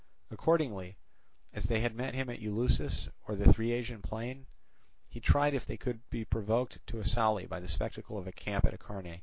Accordingly, as they had met him at Eleusis or the Thriasian plain, he tried if they could be provoked to a sally by the spectacle of a camp at Acharnae.